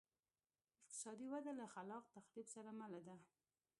اقتصادي وده له خلاق تخریب سره مله وه